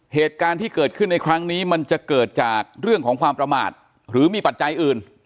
เหตุการณ์ที่เกิดขึ้นในครั้งนี้มันจะเกิดจากเรื่องของความประมาทหรือมีปัจจัยอื่น